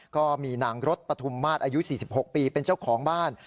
ก็มีนางรถปฐุมมาตรอายุ๔๖ปีเป็นเจ้าของบ้าน